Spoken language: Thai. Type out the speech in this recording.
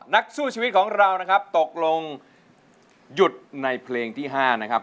นักสู้ชีวิตของเรานะครับตกลงหยุดในเพลงที่๕นะครับ